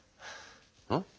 うん？